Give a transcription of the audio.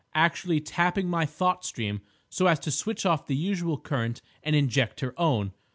"Actually tapping my thought stream so as to switch off the usual current and inject her own.